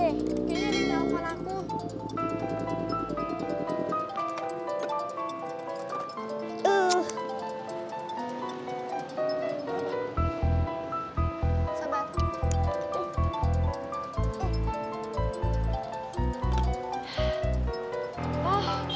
kayaknya dia nge call aku